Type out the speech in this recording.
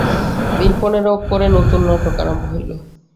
দিন পনেরো পরে নূতন নাটক আরম্ভ হইল।